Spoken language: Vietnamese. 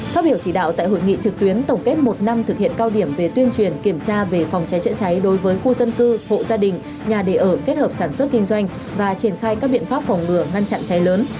phát biểu chỉ đạo tại hội nghị trực tuyến tổng kết một năm thực hiện cao điểm về tuyên truyền kiểm tra về phòng cháy chữa cháy đối với khu dân cư hộ gia đình nhà đề ở kết hợp sản xuất kinh doanh và triển khai các biện pháp phòng ngừa ngăn chặn cháy lớn